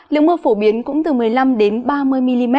lượng mưa phổ biến cũng từ một mươi năm đến ba mươi mm